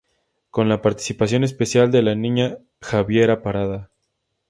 Con la participación especial de la niña Javiera Parada.